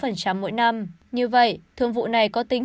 như vậy thương vụ này có tính